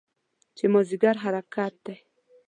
چې مازدیګر حرکت دی.